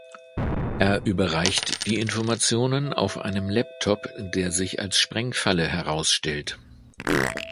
Er überreicht die Informationen auf einem Laptop, der sich als Sprengfalle herausstellt.